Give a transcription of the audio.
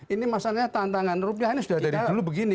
ini masalahnya tantangan rupiah ini sudah dari dulu begini